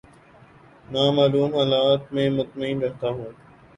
نا معلوم حالات میں مطمئن رہتا ہوں